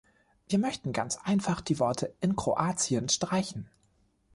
Wir möchten ganz einfach die Worte "in Kroatien" streichen.